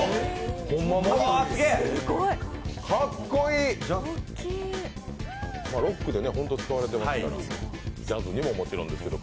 かっこいい、ロックでホント使われていますから、ジャズでももちろんですけど。